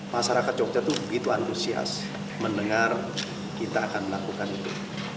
masyarakat jogja itu begitu antusias mendengar kita akan melakukan itu